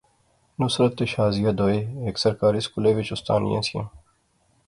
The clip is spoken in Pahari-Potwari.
نصرت تے شازیہ دوئے ہیک سرکاری سکولے وچ اُستانیاں سیاں